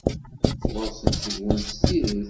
Furṣen seg-wen s tidet.